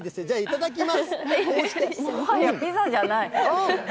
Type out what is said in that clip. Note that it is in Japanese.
もはやピザじゃない。